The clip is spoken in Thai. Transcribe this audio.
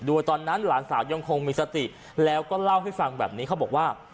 โดยตอนนั้นหลานสาวยังคงมีสติแล้วก็เล่าให้ฟังแบบนี้เขาบอกว่า